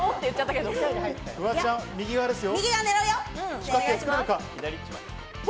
フワちゃん、右側ですよ。